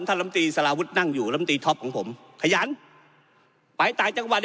ท่านลำตีสลาวุฒินั่งอยู่ลำตีท็อปของผมขยันปลายตายจังหวัด